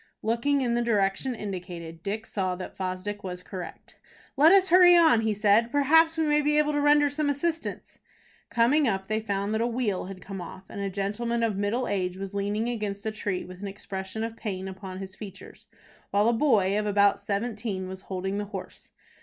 Looking in the direction indicated, Dick saw that Fosdick was correct. "Let us hurry on," he said. "Perhaps we may be able to render some assistance." Coming up, they found that a wheel had come off, and a gentleman of middle age was leaning against a tree with an expression of pain upon his features, while a boy of about seventeen was holding the horse.